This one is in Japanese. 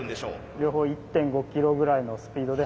両方１．５キロぐらいのスピードで。